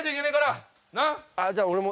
じゃあ俺も。